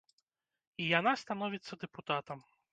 І яна становіцца дэпутатам.